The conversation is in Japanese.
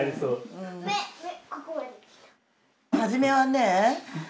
初めはね